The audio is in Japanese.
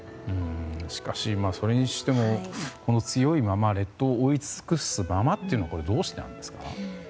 しかし、それにしても強いまま列島を覆い尽くしたままというのは、どうしてですか？